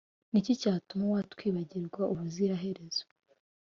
Ni iki cyatuma watwibagirwa ubuziraherezo,